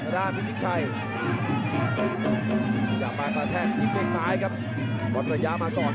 แล้วด้านพิษชัยอยากมาแพงด้วยซ้ายครับวันสัญญามาก่อนครับ